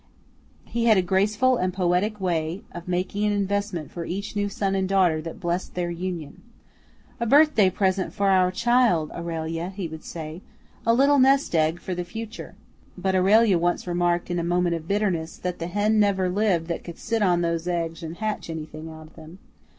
He had a graceful and poetic way of making an investment for each new son and daughter that blessed their union. "A birthday present for our child, Aurelia," he would say, "a little nest egg for the future;" but Aurelia once remarked in a moment of bitterness that the hen never lived that could sit on those eggs and hatch anything out of them.